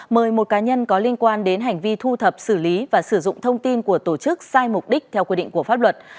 mời một cá nhân có liên quan đến hành vi thu thập xử lý và sử dụng thông tin của tổ chức sai mục đích theo quy định của pháp luật